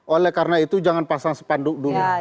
oleh karena itu jangan pasang sepanduk dulu